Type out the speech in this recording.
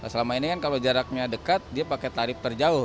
selama ini kan kalau jaraknya dekat dia pakai tarif terjauh